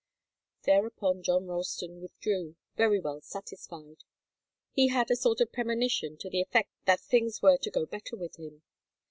Thereupon John Ralston withdrew, very well satisfied. He had a sort of premonition to the effect that things were to go better with him.